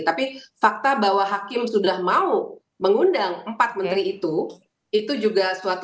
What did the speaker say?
tapi fakta bahwa hakim sudah mau mengundang empat menteri itu itu juga suatu